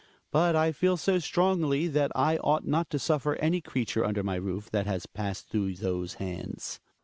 But I feel so strongly that I ought not to suffer any creature under my roof that has passed through those hands.